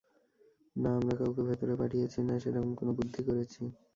না আমরা কাউকে ভেতরে পাঠিয়েছি না সেরকম কোনো বুদ্ধি করেছি।